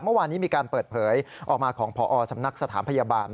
เมื่อวานนี้มีการเปิดเผยออกมาของพอสำนักสถานพยาบาล